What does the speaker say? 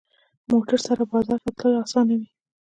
موټر سره بازار ته تلل اسانه وي.